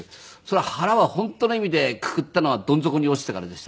腹は本当の意味でくくったのはどん底に落ちてからでしたね。